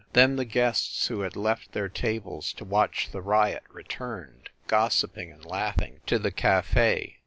Then the guests who had left their tables to watch the riot returned, gossiping and laughing, to the cafe.